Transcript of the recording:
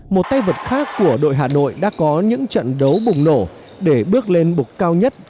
một tay vật khác của đội hà nội đã có những trận đấu bùng nổ để bước lên bục cao nhất